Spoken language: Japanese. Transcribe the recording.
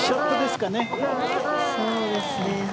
そうですね。